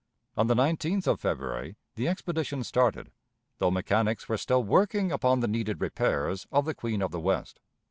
On the 19th of February the expedition started, though mechanics were still working upon the needed repairs of the Queen of the West.